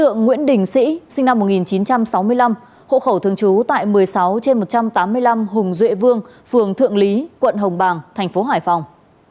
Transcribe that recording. nguyễn đình sĩ sinh năm một nghìn chín trăm sáu mươi năm hộ khẩu thường trú tại một mươi sáu trên một trăm tám mươi năm hùng duệ vương phường thượng lý quận hồng bàng tp hải phòng